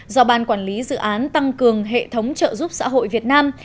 do ban quản lý dự án tăng cường hệ thống trợ giúp xã hội việt nam